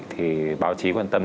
thì báo chí quan tâm